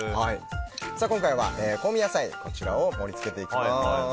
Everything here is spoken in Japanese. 今回は香味野菜を盛り付けていきます。